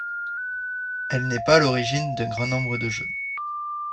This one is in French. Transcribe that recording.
Elle n'est pas à l'origine d'un grand nombre de jeux.